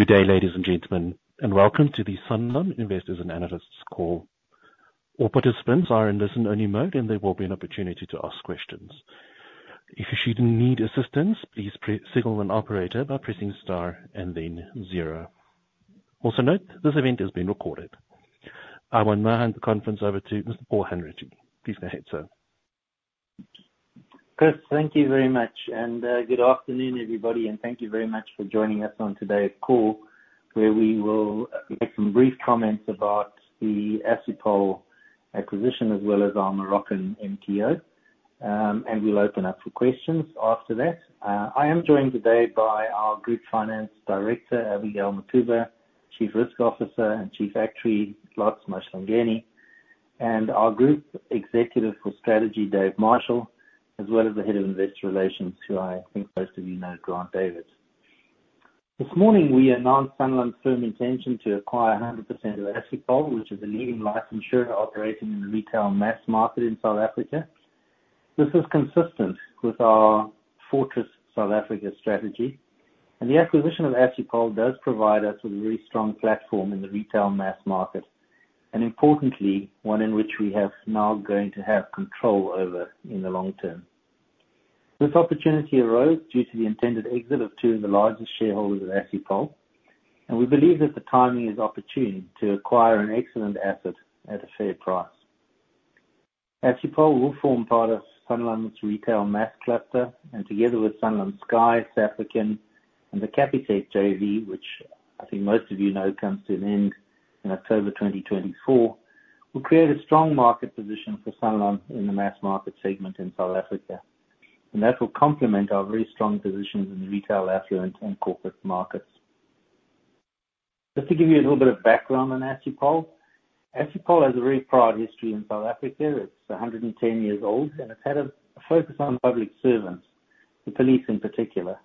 Good day, ladies and gentlemen, and welcome to the Sanlam Investors and Analysts Call. All participants are in listen-only mode, and there will be an opportunity to ask questions. If you should need assistance, please pre-signal an operator by pressing star and then zero. Also, note, this event is being recorded. I will now hand the conference over to Mr. Paul Hanratty. Please go ahead, sir. Chris, thank you very much, and good afternoon, everybody, and thank you very much for joining us on today's call, where we will make some brief comments about the Assupol acquisition, as well as our Moroccan MTO. And we'll open up for questions after that. I am joined today by our Group Finance Director, Abigail Mukhuba, Chief Risk Officer and Chief Actuary, Lotz Mahlangeni, and our Group Executive for Strategy, Dave Marshall, as well as the Head of Investor Relations, who I think most of you know, Grant Davids. This morning, we announced Sanlam's firm intention to acquire 100% of Assupol, which is a leading life insurer operating in the retail mass market in South Africa. This is consistent with our Fortress South Africa strategy, and the acquisition of Assupol does provide us with a very strong platform in the retail mass market, and importantly, one in which we have now going to have control over in the long term. This opportunity arose due to the intended exit of two of the largest shareholders of Assupol, and we believe that the timing is opportune to acquire an excellent asset at a fair price. Assupol will form part of Sanlam's retail mass cluster, and together with Sanlam Sky, Safrican, and the Capitec JV, which I think most of you know, comes to an end in October 2024, will create a strong market position for Sanlam in the mass market segment in South Africa. That will complement our very strong positions in the retail, affluent, and corporate markets. Just to give you a little bit of background on Assupol. Assupol has a very proud history in South Africa. It's 110 years old, and it's had a focus on public servants, the police in particular.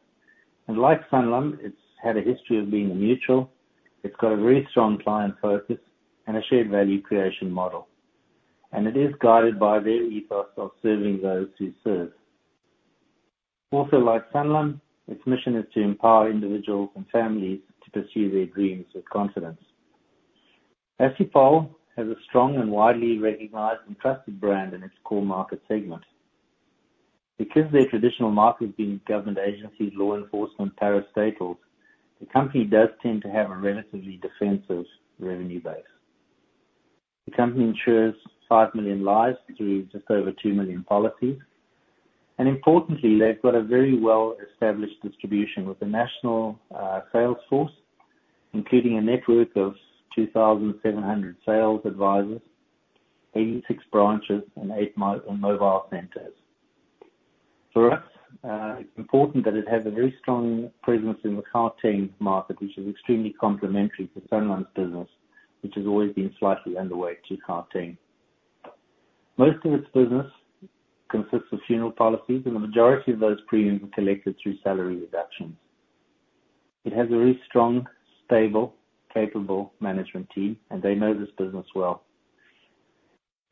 Like Sanlam, it's had a history of being a mutual. It's got a very strong client focus and a shared value creation model, and it is guided by their ethos of serving those who serve. Also, like Sanlam, its mission is to empower individuals and families to pursue their dreams with confidence. Assupol has a strong and widely recognized and trusted brand in its core market segment. Because their traditional market has been government agencies, law enforcement, parastatals, the company does tend to have a relatively defensive revenue base. The company insures 5 million lives through just over 2 million policies, and importantly, they've got a very well-established distribution with a national sales force, including a network of 2,700 sales advisors, 86 branches, and 8 mobile centers. For us, it's important that it has a very strong presence in the Gauteng market, which is extremely complementary to Sanlam's business, which has always been slightly underweight to Gauteng. Most of its business consists of funeral policies, and the majority of those premiums are collected through salary deductions. It has a very strong, stable, capable management team, and they know this business well.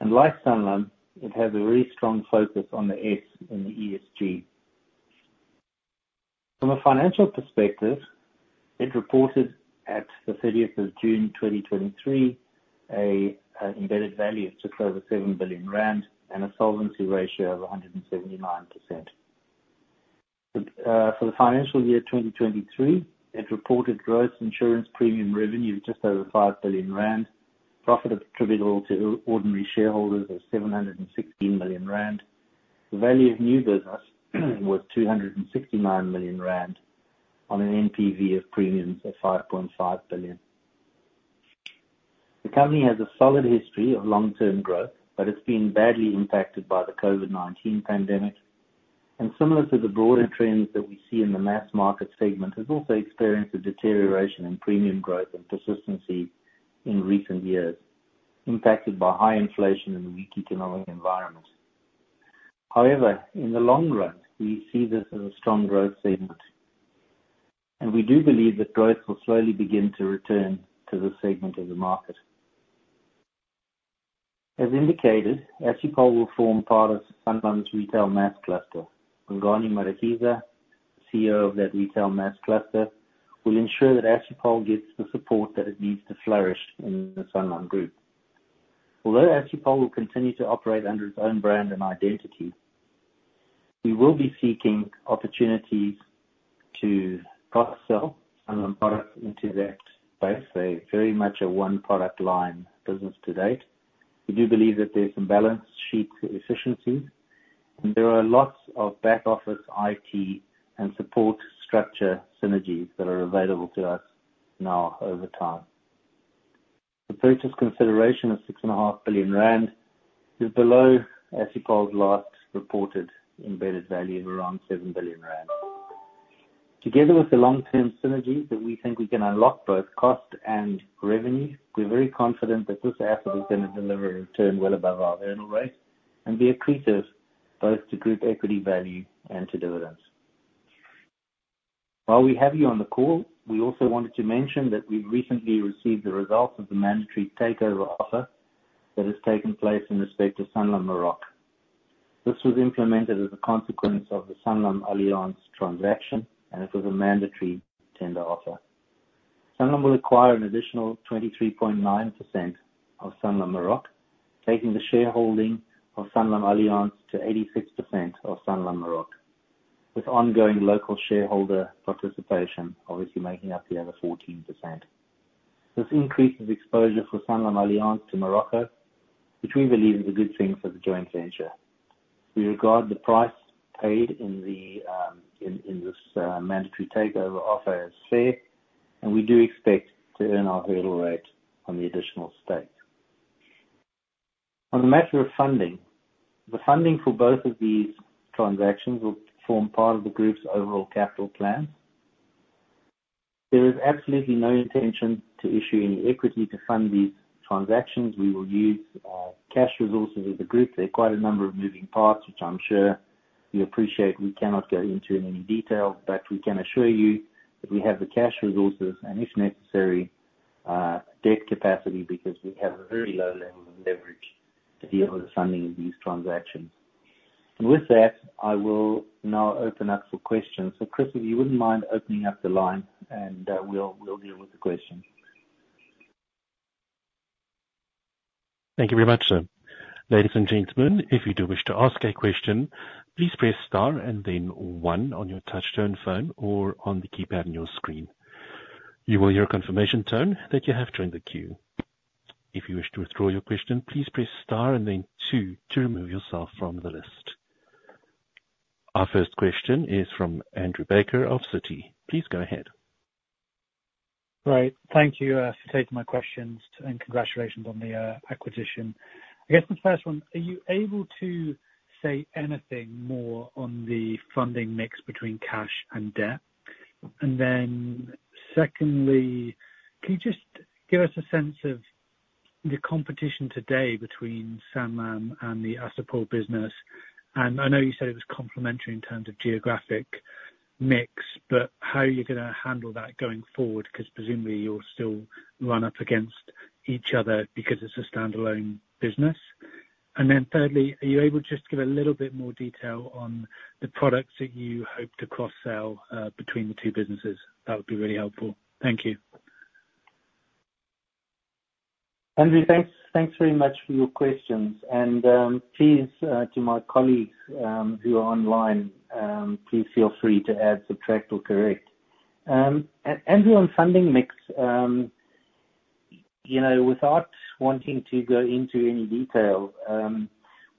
And like Sanlam, it has a very strong focus on the S in the ESG. From a financial perspective, it reported at the 30th of June 2023, an embedded value of just over 7 billion rand and a solvency ratio of 179%. But for the financial year 2023, it reported gross insurance premium revenue of just over 5 billion rand. Profit attributable to ordinary shareholders of 716 million rand. The value of new business was 269 million rand on an NPV of premiums of 5.5 billion. The company has a solid history of long-term growth, but it's been badly impacted by the COVID-19 pandemic. And similar to the broader trends that we see in the mass market segment, has also experienced a deterioration in premium growth and persistency in recent years, impacted by high inflation and a weak economic environment. However, in the long run, we see this as a strong growth segment, and we do believe that growth will slowly begin to return to this segment of the market. As indicated, Assupol will form part of Sanlam's retail mass cluster. Bongani Madikiza, CEO of that retail mass cluster, will ensure that Assupol gets the support that it needs to flourish in the Sanlam group. Although Assupol will continue to operate under its own brand and identity, we will be seeking opportunities to cross-sell Sanlam products into that space. They're very much a one-product line business to date. We do believe that there's some balance sheet efficiencies, and there are lots of back-office IT and support structure synergies that are available to us now over time. The purchase consideration of 6.5 billion rand is below Assupol's last reported embedded value of around 7 billion rand. Together with the long-term synergies that we think we can unlock, both cost and revenue, we're very confident that this asset is gonna deliver a return well above our hurdle rate and be accretive both to group equity value and to dividends. While we have you on the call, we also wanted to mention that we've recently received the results of the mandatory takeover offer that has taken place in respect to Sanlam Maroc. This was implemented as a consequence of the SanlamAllianz transaction, and it was a mandatory tender offer. Sanlam will acquire an additional 23.9% of Sanlam Maroc, taking the shareholding of SanlamAllianz to 86% of Sanlam Maroc, with ongoing local shareholder participation obviously making up the other 14%. This increases exposure for SanlamAllianz to Morocco, which we believe is a good thing for the joint venture. We regard the price paid in the mandatory takeover offer as fair, and we do expect to earn our hurdle rate on the additional stake. On the matter of funding, the funding for both of these transactions will form part of the group's overall capital plan. There is absolutely no intention to issue any equity to fund these transactions. We will use cash resources of the group. There are quite a number of moving parts, which I'm sure you appreciate we cannot go into in any detail, but we can assure you that we have the cash resources, and if necessary, debt capacity, because we have a very low level of leverage to deal with the funding of these transactions. With that, I will now open up for questions. So, Chris, if you wouldn't mind opening up the line, and we'll deal with the questions. Thank you very much, sir. Ladies and gentlemen, if you do wish to ask a question, please press star and then one on your touchtone phone or on the keypad on your screen. You will hear a confirmation tone that you have joined the queue. If you wish to withdraw your question, please press star and then two to remove yourself from the list. Our first question is from Andrew Baker of Citi. Please go ahead. Right. Thank you for taking my questions, and congratulations on the acquisition. I guess the first one, are you able to say anything more on the funding mix between cash and debt? And then secondly, can you just give us a sense of the competition today between Sanlam and the Assupol business? And I know you said it was complementary in terms of geographic mix, but how are you gonna handle that going forward? Because presumably, you'll still run up against each other because it's a standalone business. And then thirdly, are you able to just give a little bit more detail on the products that you hope to cross-sell between the two businesses? That would be really helpful. Thank you. Andrew, thanks, thanks very much for your questions. And, please, to my colleagues, who are online, please feel free to add, subtract, or correct. And on funding mix, you know, without wanting to go into any detail,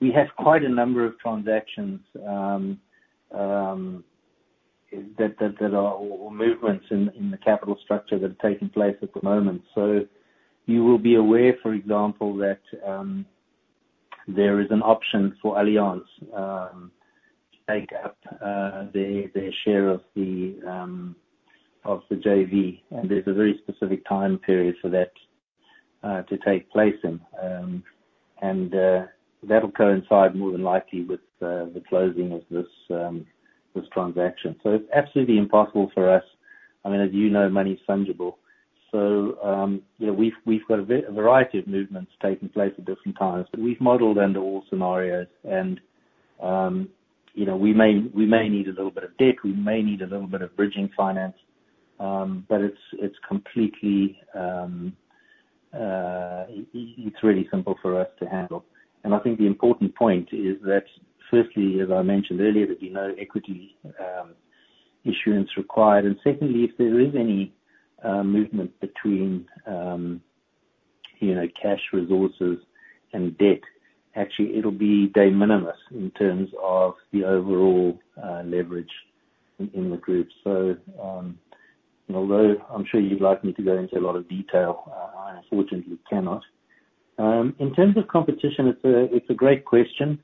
we have quite a number of transactions, that are, or movements in, the capital structure that are taking place at the moment. So you will be aware, for example, that there is an option for Allianz to take up their share of the JV, and there's a very specific time period for that to take place in. And, that'll coincide more than likely with the closing of this transaction. So it's absolutely impossible for us... I mean, as you know, money is fungible. So, you know, we've got a variety of movements taking place at different times, but we've modeled under all scenarios and, you know, we may need a little bit of debt, we may need a little bit of bridging finance, but it's completely, it's really simple for us to handle. And I think the important point is that, firstly, as I mentioned earlier, that there's no equity issuance required. And secondly, if there is any movement between, you know, cash resources and debt, actually, it'll be de minimis in terms of the overall leverage in the group. So, although I'm sure you'd like me to go into a lot of detail, I unfortunately cannot. In terms of competition, it's a great question.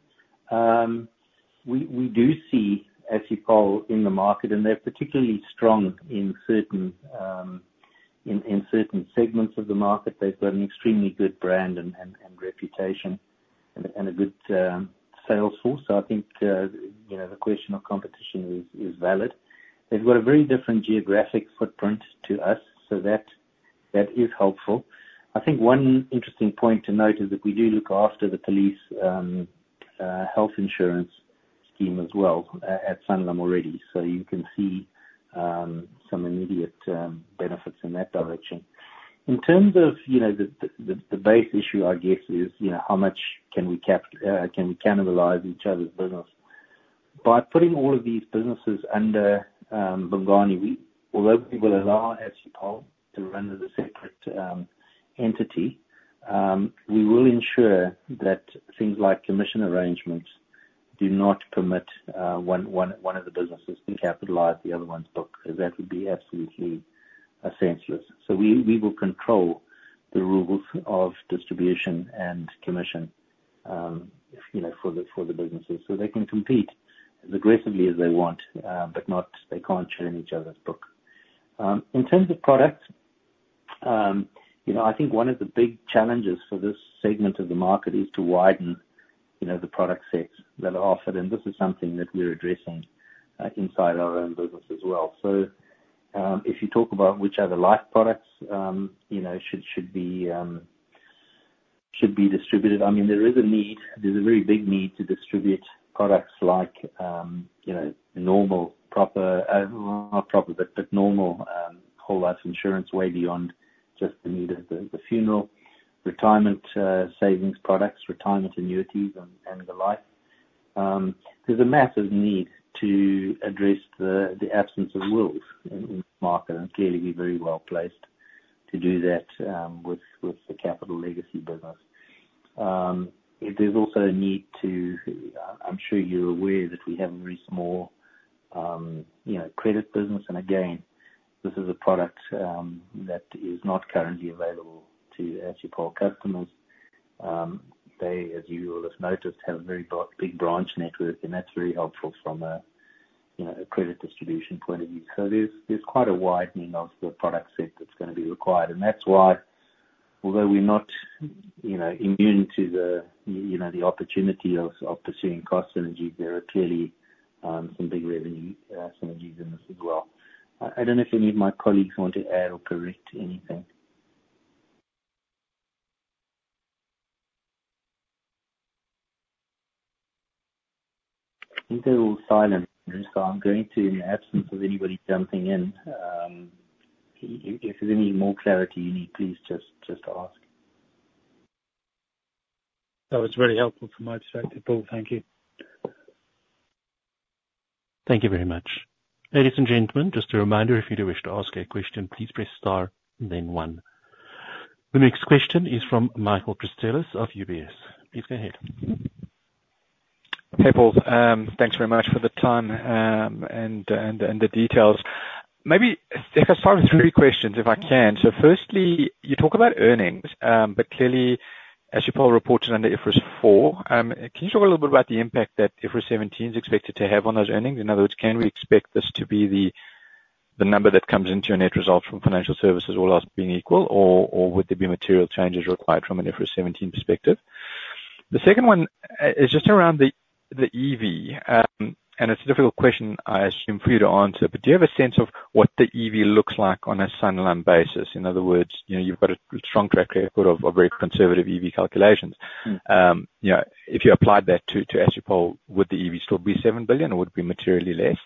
We do see Assupol in the market, and they're particularly strong in certain segments of the market. They've got an extremely good brand and reputation and a good sales force. So I think, you know, the question of competition is valid. They've got a very different geographic footprint to us, so that is helpful. I think one interesting point to note is that we do look after the police health insurance scheme as well at Sanlam already. So you can see some immediate benefits in that direction. In terms of, you know, the base issue, I guess, is, you know, how much can we cap, can we cannibalize each other's business? By putting all of these businesses under Bongani, we, although we will allow Assupol to run as a separate entity, we will ensure that things like commission arrangements do not permit one of the businesses to capitalize the other one's book, because that would be absolutely senseless. So we will control the rules of distribution and commission, you know, for the businesses, so they can compete as aggressively as they want, but they can't churn each other's book. In terms of products, you know, I think one of the big challenges for this segment of the market is to widen the product sets that are offered, and this is something that we're addressing inside our own business as well. So, if you talk about which other life products, you know, should be distributed, I mean, there is a need, there's a very big need to distribute products like, you know, normal, proper, not proper, but normal, whole life insurance way beyond just the need of the funeral, retirement, savings products, retirement annuities and the like. There's a massive need to address the absence of wills in this market, and clearly we're very well-placed to do that, with the Capital Legacy business. There's also a need. I'm sure you're aware that we have a very small, you know, credit business. And again, this is a product that is not currently available to our Assupol customers. They, as you will have noticed, have a very big branch network, and that's very helpful from a, you know, a credit distribution point of view. So there's quite a widening of the product set that's gonna be required. And that's why, although we're not, you know, immune to the, you know, the opportunity of, of pursuing cost synergies, there are clearly some big revenue synergies in this as well. I don't know if any of my colleagues want to add or correct anything? I think they're all silent, so I'm going to, in the absence of anybody jumping in, if there's any more clarity you need, please just, just ask. That was very helpful from my perspective, Paul. Thank you. Thank you very much. Ladies and gentlemen, just a reminder, if you do wish to ask a question, please press star and then one. The next question is from Michael Christelis of UBS. Please go ahead. Hey, Paul. Thanks very much for the time, and the details. Maybe if I start with three questions, if I can. Firstly, you talk about earnings, but clearly, Assupol reported under IFRS 4. Can you talk a little bit about the impact that IFRS 17 is expected to have on those earnings? In other words, can we expect this to be the number that comes into your net results from financial services, all else being equal, or would there be material changes required from an IFRS 17 perspective? The second one is just around the EV. And it's a difficult question, I assume, for you to answer, but do you have a sense of what the EV looks like on a Sanlam basis? In other words, you know, you've got a strong track record of, of very conservative EV calculations. Mm. You know, if you applied that to Assupol, would the EV still be 7 billion, or would it be materially less?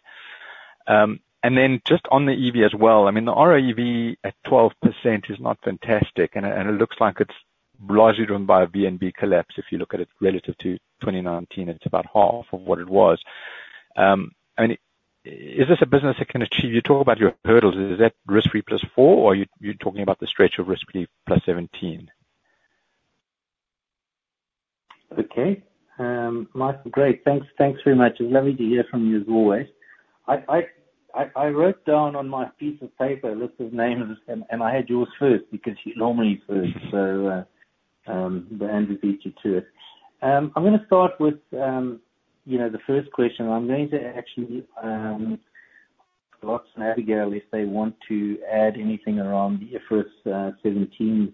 And then just on the EV as well, I mean, the RoGEV at 12% is not fantastic, and it looks like it's largely driven by a VNB collapse. If you look at it relative to 2019, it's about half of what it was. I mean, is this a business that can achieve... You talk about your hurdles. Is that risk-free + 4, or you're talking about the stretch of risk-free + 17? Okay. Michael, great. Thanks, thanks very much. It's lovely to hear from you, as always. I wrote down on my piece of paper a list of names, and I had yours first because you're normally first. So, but Andrew beat you to it. I'm gonna start with, you know, the first question. I'm going to actually, Lotz and Abigail, if they want to add anything around the IFRS 17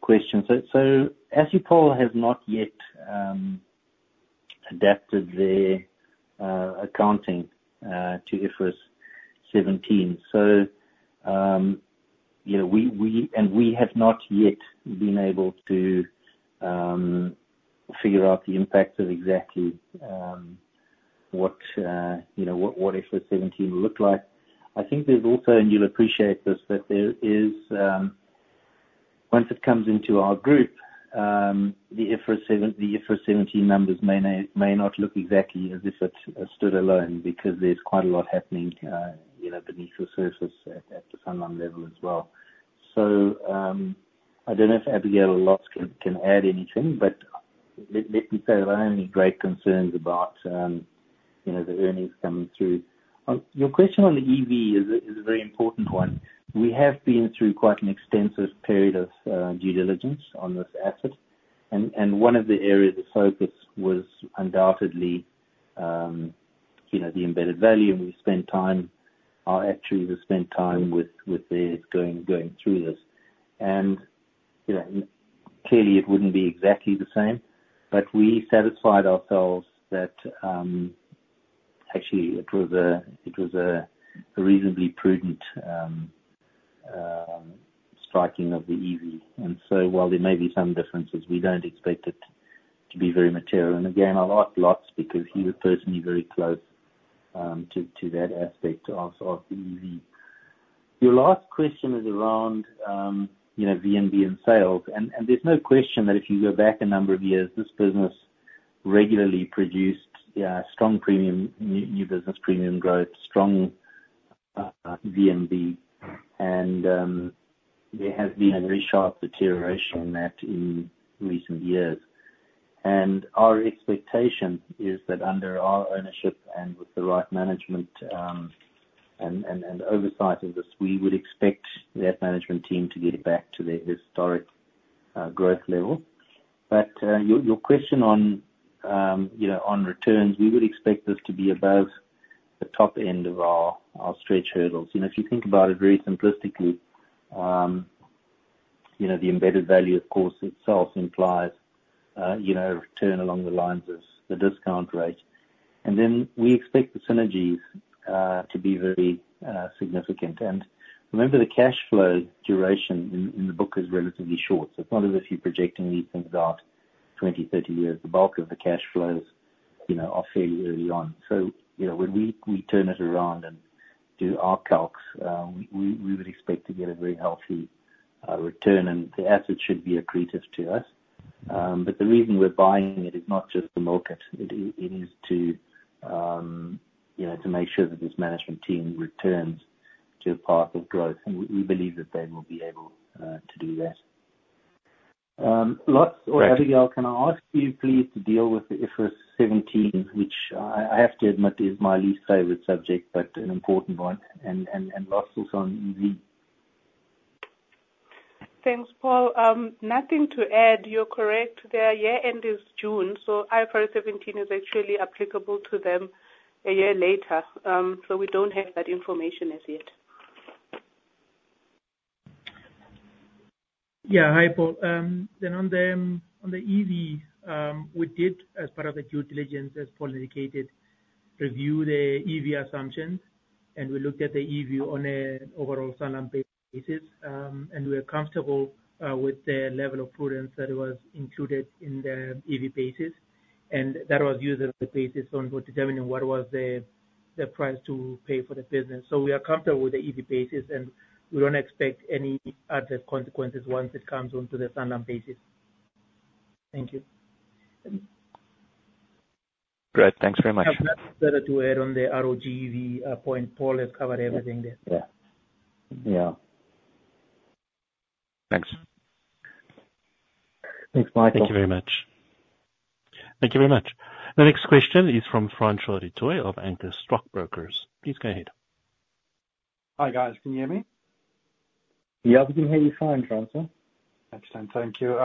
question. So, Assupol has not yet adapted their accounting to IFRS 17. So, you know, we-- and we have not yet been able to figure out the impacts of exactly what IFRS 17 will look like. I think there's also, and you'll appreciate this, that there is, once it comes into our group, the IFRS 17 numbers may not, may not look exactly as if it stood alone, because there's quite a lot happening, you know, beneath the surface at the Sanlam level as well. So, I don't know if Abigail or Lotz can, can add anything, but let me say there aren't any great concerns about, you know, the earnings coming through. Your question on the EV is a very important one. We have been through quite an extensive period of due diligence on this asset, and one of the areas of focus was undoubtedly, you know, the embedded value. And we spent time, our actuaries have spent time with this, going through this. You know, clearly it wouldn't be exactly the same, but we satisfied ourselves that, actually, it was a reasonably prudent striking of the EV. And so while there may be some differences, we don't expect it to be very material. And again, I'll ask Lotz, because he was personally very close to that aspect also of the EV. Your last question is around, you know, VNB and sales. And there's no question that if you go back a number of years, this business regularly produced strong premium new business premium growth, strong VNB, and there has been a very sharp deterioration in that in recent years. Our expectation is that under our ownership, and with the right management, and oversight of this, we would expect that management team to get back to their historic growth level. But your question on, you know, on returns, we would expect this to be above the top end of our stretch hurdles. You know, if you think about it very simplistically, you know, the Embedded Value, of course, itself implies, you know, a return along the lines of the discount rate. And then we expect the synergies to be very significant. And remember, the cash flow duration in the book is relatively short, so it's not as if you're projecting these things out 20, 30 years. The bulk of the cash flows, you know, are fairly early on. So, you know, when we turn it around and do our calcs, we would expect to get a very healthy return, and the assets should be accretive to us. But the reason we're buying it is not just the market. It is to, you know, to make sure that this management team returns to a path of growth, and we believe that they will be able to do that. Lots or Abigail, can I ask you please to deal with the IFRS 17, which I have to admit, is my least favorite subject, but an important one, and Lots also on EV? Thanks, Paul. Nothing to add. You're correct. Their year-end is June, so IFRS 17 is actually applicable to them a year later. So we don't have that information as yet. Yeah. Hi, Paul. Then on the EV, we did, as part of the due diligence, as Paul indicated, review the EV assumptions, and we looked at the EV on an overall Sanlam basis, and we're comfortable with the level of prudence that was included in the EV basis. And that was used as the basis on determining what was the price to pay for the business. So we are comfortable with the EV basis, and we don't expect any adverse consequences once it comes onto the Sanlam basis. Thank you. Great. Thanks very much. Nothing better to add on the RoGEV point. Paul has covered everything there. Yeah. Yeah. Thanks. Thanks, Michael. Thank you very much. Thank you very much. The next question is from Francois du Toit of Anchor Stockbrokers. Please go ahead. Hi, guys. Can you hear me? Yes, we can hear you fine, Francois. Excellent. Thank you.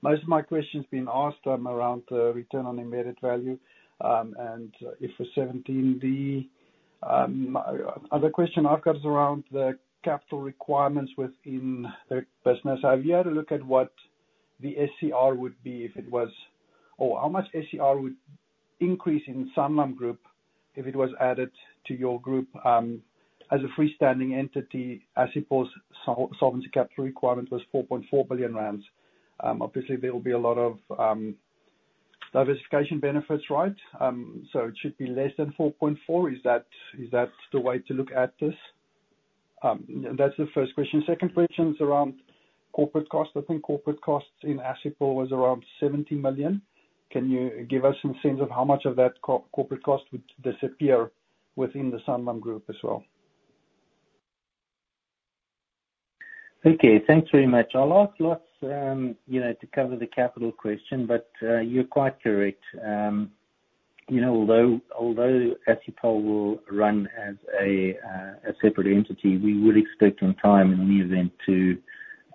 Most of my question's been asked, around the return on embedded value, and IFRS 17. My other question I've got is around the capital requirements within the business. Have you had a look at what the SCR would be if it was... Or how much SCR would increase in Sanlam Group if it was added to your group, as a freestanding entity, Assupol's solvency capital requirement was 4.4 billion rand. Obviously, there will be a lot of, diversification benefits, right? So it should be less than 4.4. Is that, is that the way to look at this? That's the first question. Second question is around corporate costs. I think corporate costs in Assupol was around 70 million. Can you give us some sense of how much of that corporate cost would disappear within the Sanlam Group as well? Okay. Thanks very much. I'll ask Lotz, you know, to cover the capital question, but you're quite correct. You know, although, although Assupol will run as a separate entity, we would expect in time, in the event to,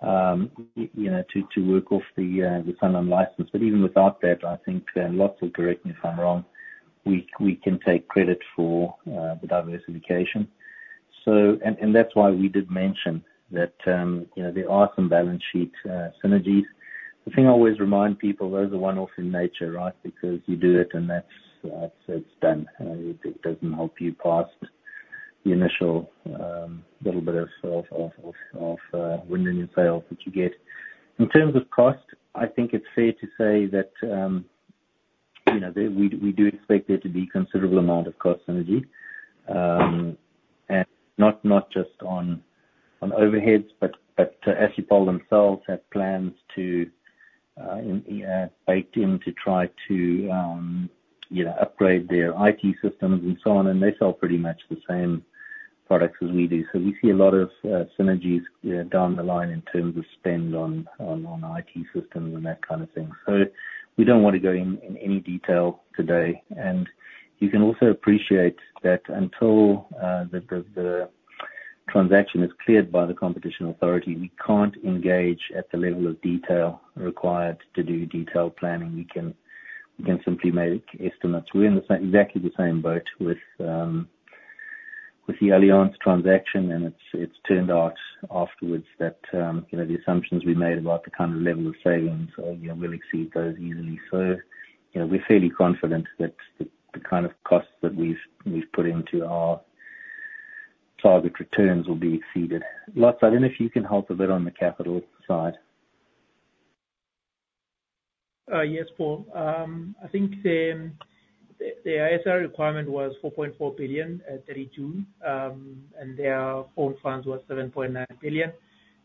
you know, to, to work off the Sanlam license. But even without that, I think, Lotz will correct me if I'm wrong, we, we can take credit for the diversification. So, and, and that's why we did mention that, you know, there are some balance sheet synergies. The thing I always remind people, those are one-off in nature, right? Because you do it, and that's, it's done. It doesn't help you past the initial little bit of wind in your sails, which you get. In terms of cost, I think it's fair to say that, you know, there, we, we do expect there to be considerable amount of cost synergy. And not, not just on, on overheads, but, but Assupol themselves have plans to baked in to try to, you know, upgrade their IT systems and so on, and they sell pretty much the same products as we do. So we see a lot of synergies down the line in terms of spend on, on, on IT systems and that kind of thing. So we don't want to go in any detail today. And you can also appreciate that until the transaction is cleared by the Competition Authority, we can't engage at the level of detail required to do detailed planning. We can simply make estimates. We're in exactly the same boat with the Allianz transaction, and it's, it's turned out afterwards that, you know, the assumptions we made about the kind of level of savings, you know, will exceed those easily. So, you know, we're fairly confident that the, the kind of costs that we've, we've put into our target returns will be exceeded. Lotz, I don't know if you can help a bit on the capital side? Yes, Paul. I think the SCR requirement was 4.4 billion at 32. And their own funds were 7.9 billion.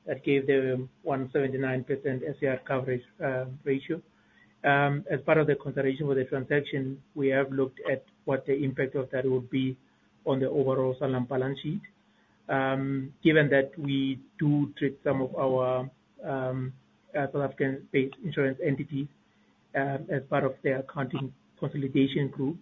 That gave them 179% SCR coverage ratio. As part of the consideration for the transaction, we have looked at what the impact of that would be on the overall Sanlam balance sheet. Given that we do treat some of our South African-based insurance entities as part of their accounting consolidation group,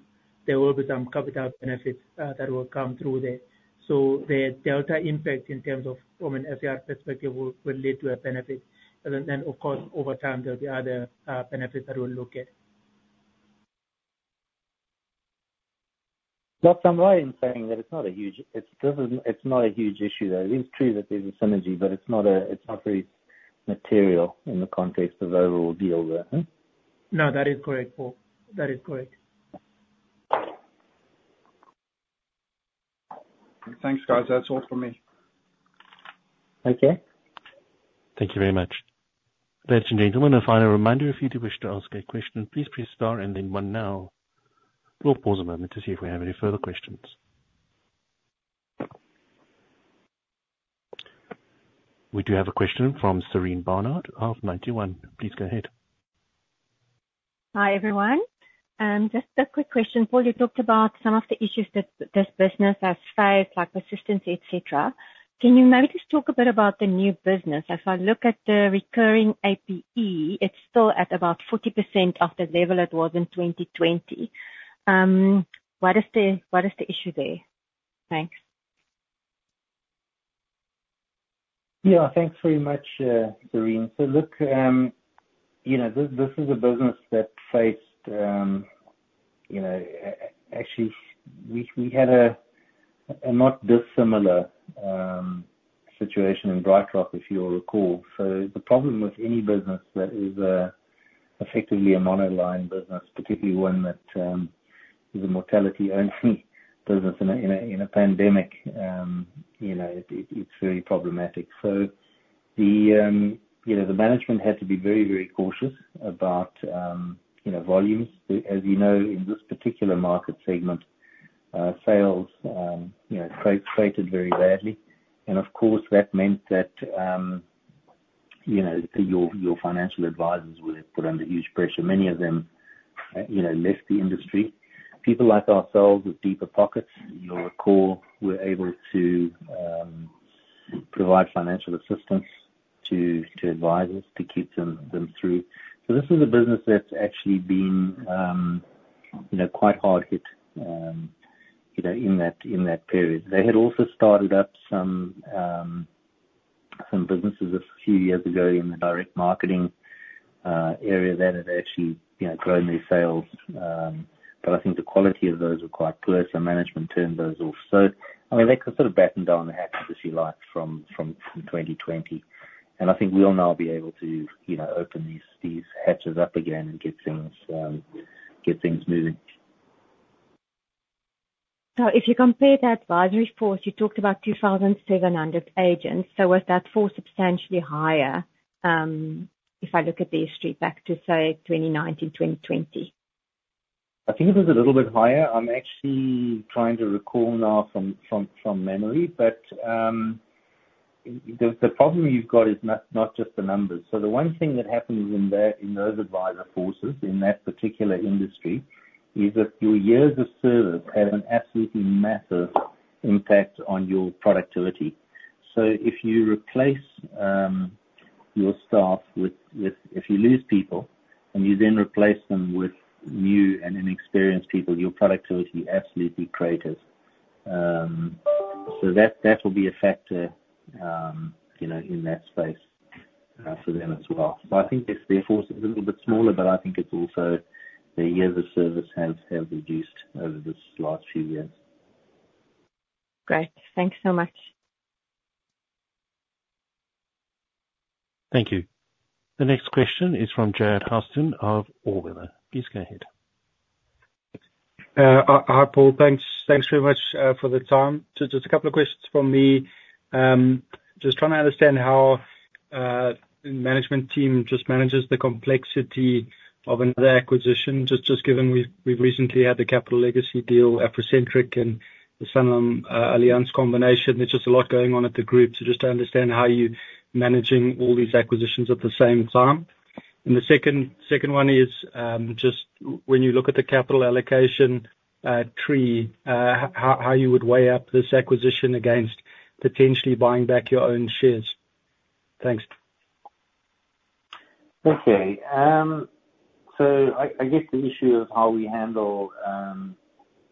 there will be some capital benefits that will come through there. So the delta impact in terms of from an SCR perspective will lead to a benefit. And then of course, over time, there'll be other benefits that we'll look at.... So I'm right in saying that it's not a huge issue, though. It is true that there's a synergy, but it's not very material in the context of the overall deal there, hmm? No, that is correct, Paul. That is correct. Thanks, guys. That's all for me. Okay. Thank you very much. Ladies and gentlemen, a final reminder, if you do wish to ask a question, please press Star and then One now. We'll pause a moment to see if we have any further questions. We do have a question from Sarine Barnard of Ninety One. Please go ahead. Hi, everyone. Just a quick question. Paul, you talked about some of the issues that this business has faced, like persistence, et cetera. Can you maybe just talk a bit about the new business? If I look at the recurring APE, it's still at about 40% of the level it was in 2020. What is the, what is the issue there? Thanks. Yeah, thanks very much, Sarine. So look, you know, this is a business that faced, you know, actually, we had a not dissimilar situation in BrightRock, if you'll recall. So the problem with any business that is effectively a monoline business, particularly one that is a mortality-only business in a pandemic, you know, it's very problematic. So the management had to be very, very cautious about, you know, volumes. As you know, in this particular market segment, sales, you know, cratered very badly. And of course, that meant that, you know, your financial advisors were put under huge pressure. Many of them, you know, left the industry. People like ourselves, with deeper pockets, you'll recall, were able to provide financial assistance to advisors to keep them through. So this is a business that's actually been, you know, quite hard hit, you know, in that period. They had also started up some businesses a few years ago in the direct marketing area that had actually, you know, grown their sales. But I think the quality of those were quite poor, so management turned those off. So, I mean, they could sort of batten down the hatches, if you like, from 2020. And I think we'll now be able to, you know, open these hatches up again and get things moving. So if you compare the advisory force, you talked about 2,700 agents. Was that force substantially higher, if I look at the history back to, say, 2019, 2020? I think it was a little bit higher. I'm actually trying to recall now from memory. But the problem you've got is not just the numbers. So the one thing that happens in those advisor forces, in that particular industry, is that your years of service have an absolutely massive impact on your productivity. So if you replace your staff with... If you lose people, and you then replace them with new and inexperienced people, your productivity absolutely craters. So that will be a factor, you know, in that space, for them as well. But I think it's therefore a little bit smaller, but I think it's also the years of service have reduced over this last few years. Great. Thanks so much. Thank you. The next question is from Jarred Houston of All Weather. Please go ahead. Hi, Paul. Thanks, thanks very much for the time. Just a couple of questions from me. Just trying to understand how the management team just manages the complexity of another acquisition, just, just given we've, we've recently had the Capital Legacy deal, Capitec, and the SanlamAllianz combination. There's just a lot going on at the group. Just to understand how you're managing all these acquisitions at the same time. And the second one is, just when you look at the capital allocation tree, how you would weigh up this acquisition against potentially buying back your own shares? Thanks.. Okay. So I guess the issue of how we handle,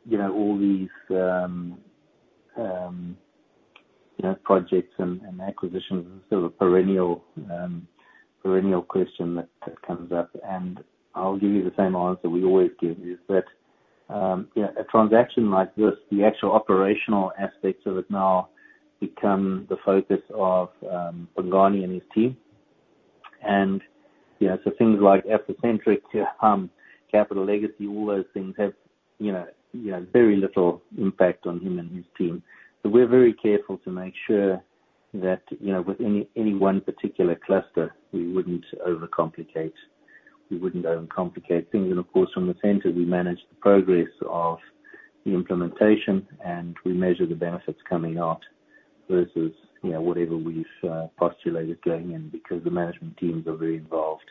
you know, all these, you know, projects and acquisitions is sort of a perennial question that comes up. And I'll give you the same answer we always give, is that, you know, a transaction like this, the actual operational aspects of it now become the focus of Bongani and his team. And, you know, so things like Capitec, Capital Legacy, all those things have, you know, very little impact on him and his team. So we're very careful to make sure that, you know, with any one particular cluster, we wouldn't overcomplicate. We wouldn't overcomplicate things. Of course, from the center, we manage the progress of the implementation, and we measure the benefits coming out versus, you know, whatever we've postulated going in, because the management teams are very involved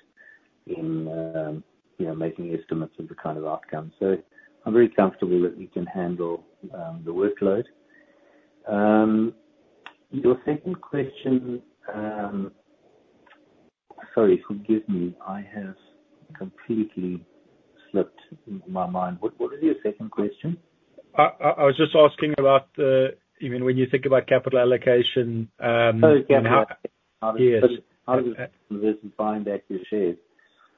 in, you know, making estimates of the kind of outcome. I'm very comfortable that we can handle the workload. Your second question... Sorry, forgive me, I have completely slipped my mind. What was your second question? I was just asking about, you know, when you think about capital allocation, Oh, capital- Yes. How does this buying back your shares?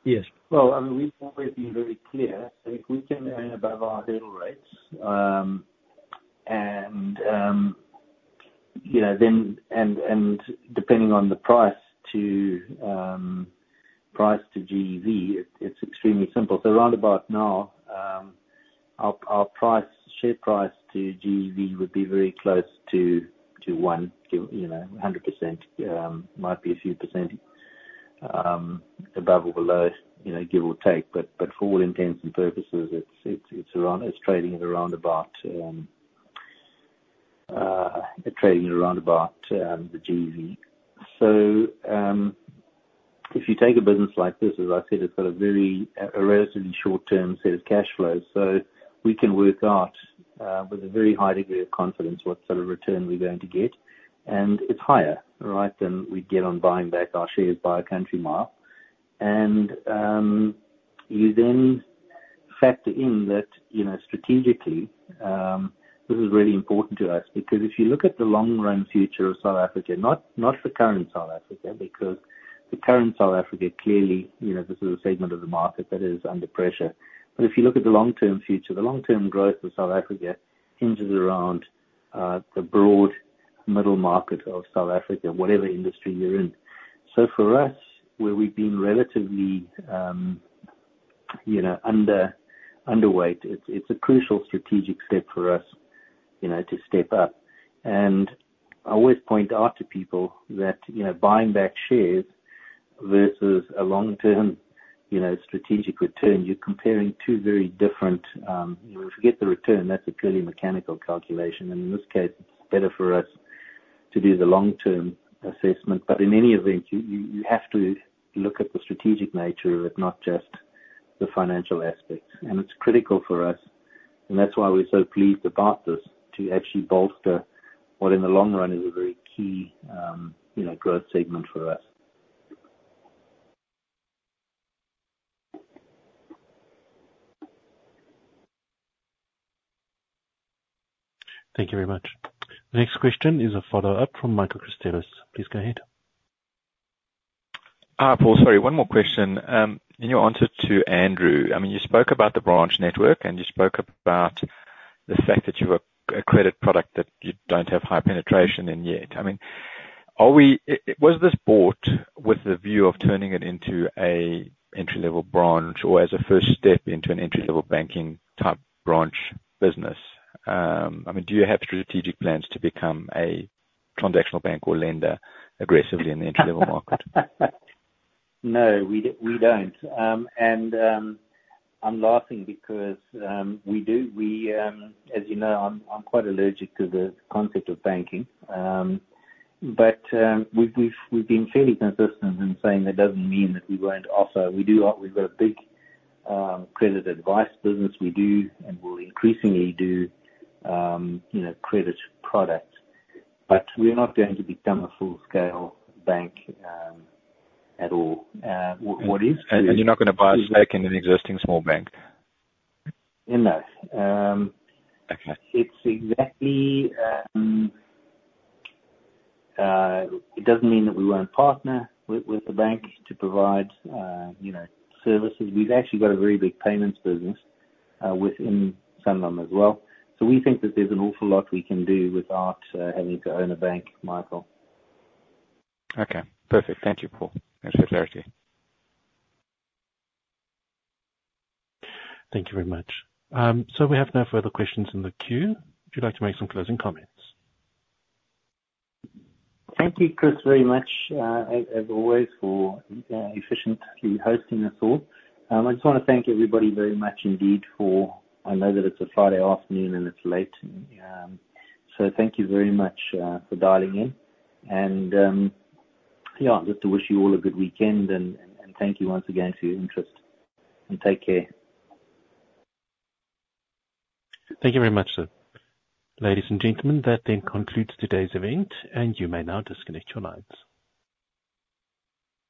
Yes. Well, I mean, we've always been very clear that if we can earn above our hurdle rates, and you know, then and depending on the price to price to GEV, it's extremely simple. So round about now, our share price to GEV would be very close to one to 100%, you know, might be a few % above or below, you know, give or take. But for all intents and purposes, it's around, it's trading at around about the GEV. So if you take a business like this, as I said, it's got a very relatively short-term set of cash flows. So we can work out with a very high degree of confidence what sort of return we're going to get. It's higher, right, than we'd get on buying back our shares by a country mile. You then factor in that, you know, strategically, this is really important to us, because if you look at the long run future of South Africa, not the current South Africa, because the current South Africa, clearly, you know, this is a segment of the market that is under pressure. But if you look at the long-term future, the long-term growth of South Africa hinges around the broad middle market of South Africa, whatever industry you're in. So for us, where we've been relatively, you know, underweight, it's a crucial strategic step for us, you know, to step up. I always point out to people that, you know, buying back shares versus a long-term, you know, strategic return, you're comparing two very different. If you get the return, that's a purely mechanical calculation, and in this case, it's better for us to do the long-term assessment. But in any event, you have to look at the strategic nature of it, not just the financial aspects. And it's critical for us, and that's why we're so pleased about this, to actually bolster what, in the long run, is a very key, you know, growth segment for us. Thank you very much. The next question is a follow-up from Michael Christelis. Please go ahead. Paul, sorry, one more question. In your answer to Andrew, I mean, you spoke about the branch network, and you spoke about the fact that you're a credit product that you don't have high penetration in yet. I mean, are we... Was this bought with the view of turning it into an entry-level branch, or as a first step into an entry-level banking type branch business? I mean, do you have strategic plans to become a transactional bank or lender aggressively in the entry-level market? No, we don't. And I'm laughing because, as you know, I'm quite allergic to the concept of banking. But we've been fairly consistent in saying that doesn't mean that we won't also... We do, we've got a big credit advice business. We do, and we'll increasingly do, you know, credit products. But we're not going to become a full-scale bank at all. What is- You're not gonna buy a stake in an existing small bank? No. Um- Okay. It's exactly, it doesn't mean that we won't partner with, with the bank to provide, you know, services. We've actually got a very big payments business, within Sanlam as well. So we think that there's an awful lot we can do without, having to own a bank, Michael. Okay. Perfect. Thank you, Paul. Thanks for the clarity. Thank you very much. So we have no further questions in the queue. Would you like to make some closing comments? Thank you, Chris, very much, as always, for efficiently hosting us all. I just wanna thank everybody very much indeed for... I know that it's a Friday afternoon, and it's late, so thank you very much for dialing in. Yeah, just to wish you all a good weekend, and thank you once again for your interest, and take care. Thank you very much, sir. Ladies and gentlemen, that then concludes today's event, and you may now disconnect your lines.